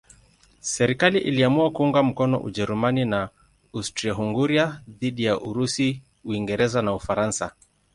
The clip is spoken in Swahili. Serikali iliamua kuunga mkono Ujerumani na Austria-Hungaria dhidi ya Urusi, Uingereza na Ufaransa.